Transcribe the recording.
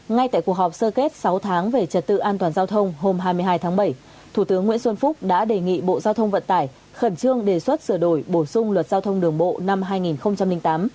ngay tại cuộc họp sơ kết sáu tháng về trật tự an toàn giao thông hôm hai mươi hai tháng bảy thủ tướng nguyễn xuân phúc đã đề nghị bộ giao thông vận tải khẩn trương đề xuất sửa đổi bổ sung luật giao thông đường bộ năm hai nghìn tám